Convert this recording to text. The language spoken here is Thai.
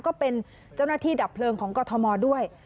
ก็เป็นเจ้าหน้าที่ดับเพลิงของกรทมด้วย